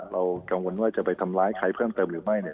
เรากังวลว่าจะไปทำร้ายใครเพิ่มเติมหรือไม่เนี่ย